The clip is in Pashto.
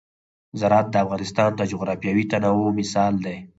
زراعت د افغانستان د جغرافیوي تنوع مثال دی.